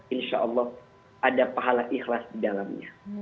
insya allah ada pahala ikhlas di dalamnya